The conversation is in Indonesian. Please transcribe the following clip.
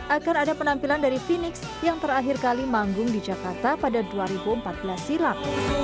akan ada penampilan dari phoenix yang terakhir kali manggung di jakarta pada dua ribu empat belas silam